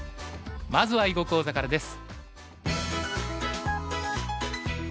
まずは囲碁講座からです。